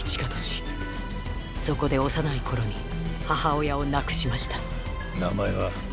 そこで幼い頃に母親を亡くしました名前は？